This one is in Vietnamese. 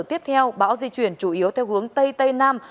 tiếp theo bão di chuyển chủ yếu theo hướng tây tây nam